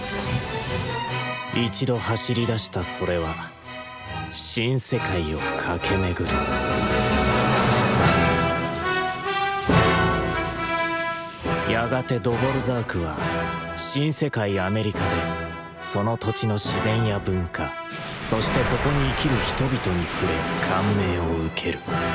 一度走りだしたそれは「新世界」を駆け巡るやがてドヴォルザークは新世界・アメリカでその土地の自然や文化そしてそこに生きる人々に触れ感銘を受ける。